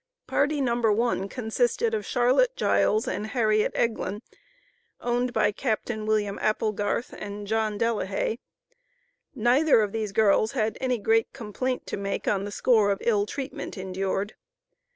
Party No. 1 consisted of Charlotte Giles and Harriet Eglin, owned by Capt. Wm. Applegarth and John Delahay. Neither of these girls had any great complaint to make on the score of ill treatment endured.